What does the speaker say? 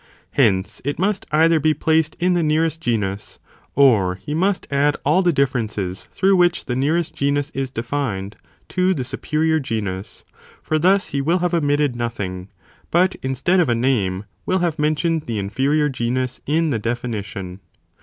Hence, it must either be placed in the nearest genus, or he must add all the differences, through which the nearest genus is defined, to the superior genus; for thus he will have omitted nothing, but instead of a name, will have mentioned the inferior genus, in the definition..